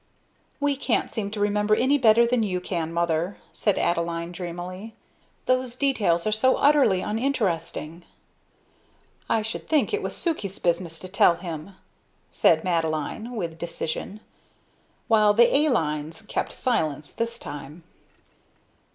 "We can't seem to remember any better than you can, mother," said Adeline, dreamily. "Those details are so utterly uninteresting." "I should think it was Sukey's business to tell him," said Madeline with decision; while the "a lines" kept silence this time.